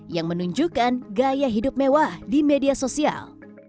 yang menunjukkan gaya hidup mewah di media sosial